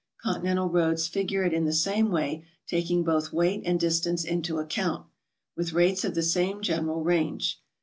Con tinental roads figure it in the same way, taking both weight and distance into account, with rates of the same general range.